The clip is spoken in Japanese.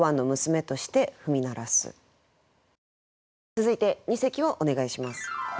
続いて二席をお願いします。